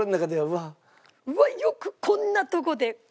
うわっよくこんなとこで。